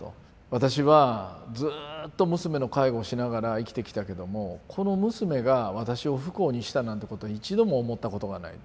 私はずっと娘の介護をしながら生きてきたけどもこの娘が私を不幸にしたなんてことは一度も思ったことがない。